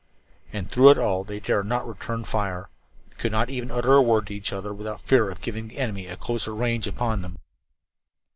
And through it all they dared not return the fire, could not even utter a word to each other without fear of giving the enemy a closer range upon them.